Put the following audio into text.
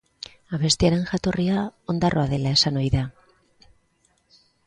Abestiaren jatorria Ondarroa dela esan ohi da.